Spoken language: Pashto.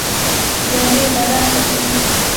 جامې بدن پټوي